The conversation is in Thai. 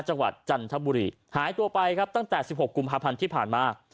จันทบุรีหายตัวไปครับตั้งแต่สิบหกกุมภาพันธ์ที่ผ่านมา